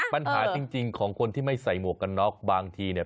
ปัญหาจริงของคนที่ไม่ใส่หมวกกันน็อกบางทีเนี่ย